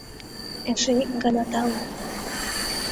— Эше ик гана́ тау.